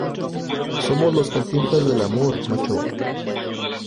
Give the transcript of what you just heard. somos los Cantinflas del amor, macho.